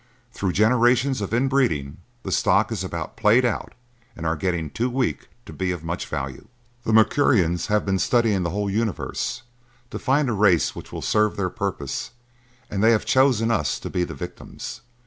Through generations of in breeding, the stock is about played out and are getting too weak to be of much value. "The Mercurians have been studying the whole universe to find a race which will serve their purpose and they have chosen us to be the victims.